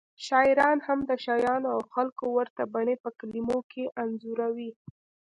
شاعران هم د شیانو او خلکو ورته بڼې په کلمو کې انځوروي